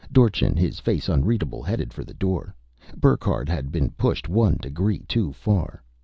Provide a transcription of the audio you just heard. Dorchin, his face unreadable, headed for the door. Burckhardt had been pushed one degree too far.